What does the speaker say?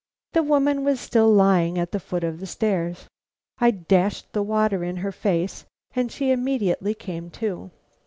The woman was still lying at the foot of the stairs. I dashed the water in her face and she immediately came to.